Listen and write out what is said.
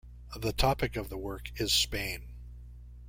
The topic of the work is Spain.